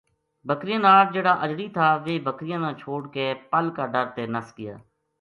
بکریاں نال جہڑا اجڑی تھا ویہ بکریاں نا چھوڈ کے پل کا ڈر تے نس گیا۔